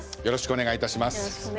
よろしくお願いします。